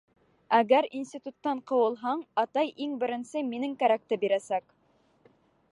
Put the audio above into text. Әгәр институттан ҡыуылһаң, атай иң беренсе минең кәрәкте бирәсәк.